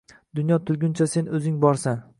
Dunyo turgunicha sen O‘zing borsan.